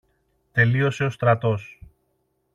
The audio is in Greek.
τελείωσε ο στρατός